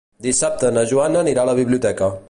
Dissabte na Joana anirà a la biblioteca.